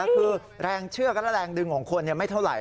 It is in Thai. คือแรงเชือกและแรงดึงของคนไม่เท่าไหร